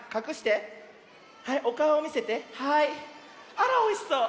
あらおいしそう。